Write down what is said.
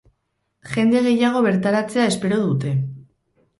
jende gehiago bertaratzea espero dute